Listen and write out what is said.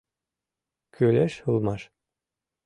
Кӱлеш улмаш.